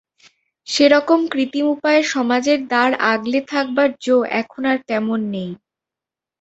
সেরকম কৃত্রিম উপায়ে সমাজের দ্বার আগলে থাকবার জো এখন আর তেমন নেই।